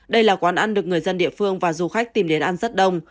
đây là quán ăn được người dân địa phương và du khách tìm đến ăn rất đông